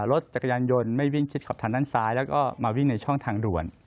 รถจักรยานยนต์ไม่วิ่งชิดขอบทางด้านซ้ายแล้วก็มาวิ่งในช่องทางด่วน